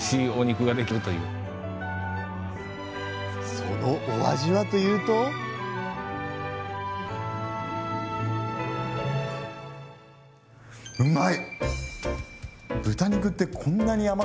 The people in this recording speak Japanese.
そのお味はというとあれ？